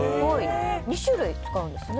２種類使うんですね。